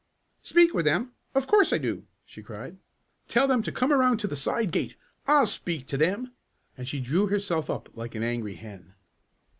"Speak with them! Of course I do!" she cried. "Tell them to come around to the side gate. I'll speak to them," and she drew herself up like an angry hen.